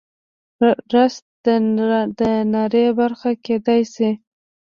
رس د ناري برخه کیدی شي